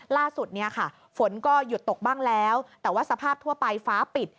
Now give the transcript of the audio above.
ล่าสุดเนี่ยค่ะฝนก็หยุดตกบ้างแล้วแต่ว่าสภาพทั่วไปฟ้าปิด